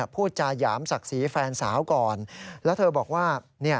พูดจาหยามศักดิ์ศรีแฟนสาวก่อนแล้วเธอบอกว่า